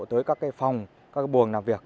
tới các phòng các buồng làm việc